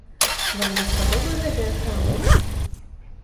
Вам даспадобы гэтыя крамы?